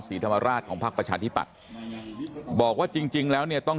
สรีธมาราชของพักประชาธิปัตบอกว่าจริงแล้วเนี่ยต้อง